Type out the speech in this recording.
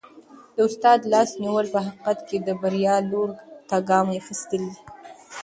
د استاد لاس نیول په حقیقت کي د بریا لوري ته ګام اخیستل دي.